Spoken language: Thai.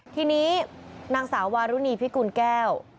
ทีนี้นางสาววารุณีพิกุลแก้ว